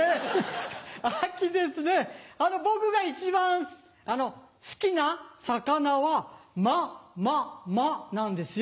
僕が一番好きな魚はマママなんですよ。